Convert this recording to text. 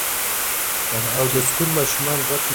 او د سکول ماشومانو غټ امتحان روان وو